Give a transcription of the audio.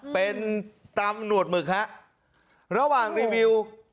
เป็นตามหนวดหมึกฮะระหว่างรีวิว